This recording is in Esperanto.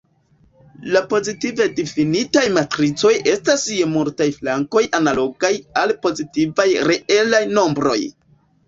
La pozitive difinitaj matricoj estas je multaj flankoj analogaj al pozitivaj reelaj nombroj.